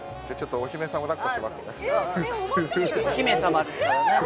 お姫様ですからね。